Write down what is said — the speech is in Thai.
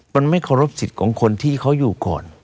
มันไม่เคารพสิทธิ์ของคนที่เขาอยู่ก่อน